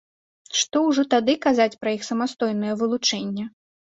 Што ўжо тады казаць пра іх самастойнае вылучэнне.